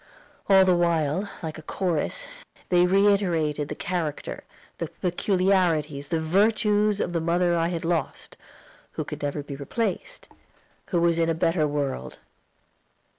All the while, like a chorus, they reiterated the character, the peculiarities, the virtues of the mother I had lost, who could never be replaced who was in a better world.